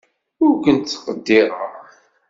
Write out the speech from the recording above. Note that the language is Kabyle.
Ur kent-ttqeddireɣ.